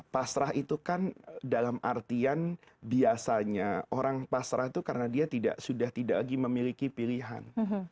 pasrah itu kan dalam artian biasanya orang pasrah itu karena dia sudah tidak lagi memiliki pilihan